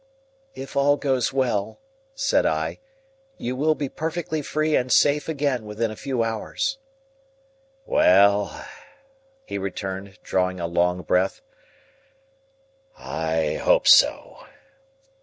"If all goes well," said I, "you will be perfectly free and safe again within a few hours." "Well," he returned, drawing a long breath, "I hope so."